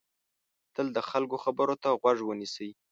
تل د خلکو خبرو ته غوږ ونیسئ.